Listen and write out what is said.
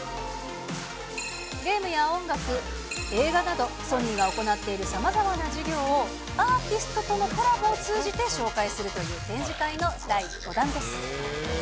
ゲームや音楽、映画など、ソニーが行っているさまざまな事業をアーティストとのコラボを通じて紹介するという、展示会の第５弾です。